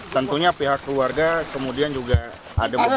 tentunya pihak keluarga kemudian juga ada beberapa